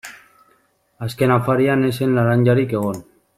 Azken afarian ez zen laranjarik egon.